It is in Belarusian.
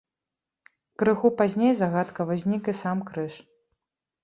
Крыху пазней загадкава знік і сам крыж.